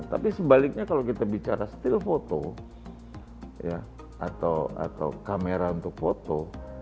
tapi sebaliknya kalau kita bicara still foto atau kamera untuk foto